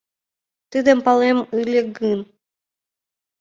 Тидым палем ыле гын...